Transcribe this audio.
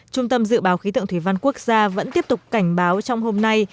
trung tâm dự báo khí tượng thủy văn quốc gia vẫn tiếp tục cảnh báo trong hôm nay